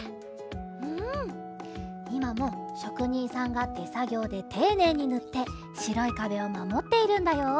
うんいまもしょくにんさんがてさぎょうでていねいにぬってしろいかべをまもっているんだよ。